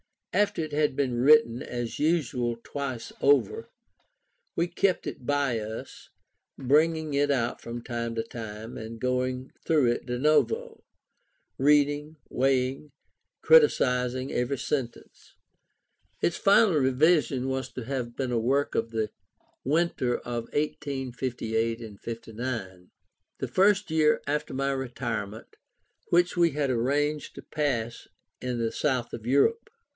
After it had been written as usual twice over, we kept it by us, bringing it out from time to time, and going through it de novo, reading, weighing, and criticizing every sentence. Its final revision was to have been a work of the winter of 1858 9, the first after my retirement, which we had arranged to pass in the south of Europe.